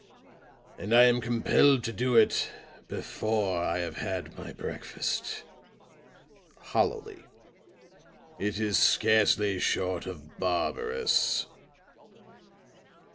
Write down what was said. And I am compelled to do it before I have had my breakfast," hollowly. "It is scarcely short of barbarous."